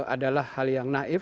adalah hal yang naif